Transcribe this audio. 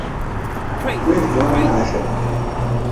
میݭ گانٹھ نہ آشہ۔